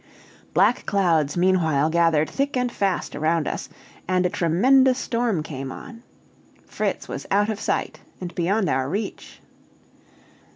Black clouds meanwhile gathered thick and fast around us, and a tremendous storm came on. Fritz was out of sight, and beyond our reach.